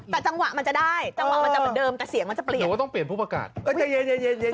แต่จังหวะมันจะได้จังหวะมันจะเหมือนเดิม